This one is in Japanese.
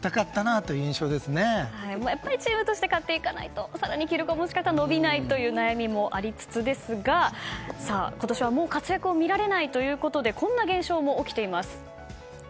チームとして勝っていかないと更に記録が伸びないという悩みもありつつですが今年はもう活躍を見られないということでこんな現象も起きています。